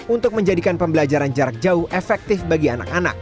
untuk menjadikan pembelajaran jarak jauh efektif bagi anak anak